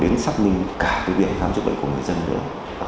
đến sắp nhìn cả cái biển khám chữa bệnh của người dân nữa